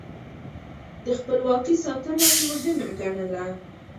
د خپلواکۍ ساتنه يې مهمه ګڼله.